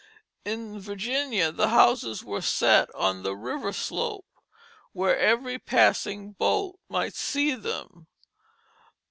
In Virginia the houses were set on the river slope, where every passing boat might see them.